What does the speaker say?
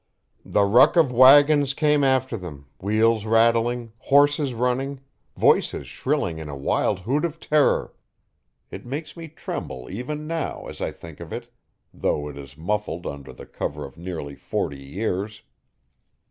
The nick of wagons came after them, wheels rattling, horses running, voices shrilling in a wild hoot of terror. It makes me tremble even now, as I think of it, though it is muffled under the cover of nearly forty years!